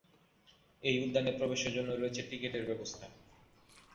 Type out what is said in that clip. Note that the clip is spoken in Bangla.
এই উদ্যানে প্রবেশের জন্য রয়েছে টিকিটের ব্যবস্থা।